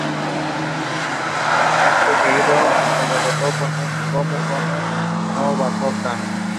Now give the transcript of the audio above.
Se celebra su fiesta dicho día.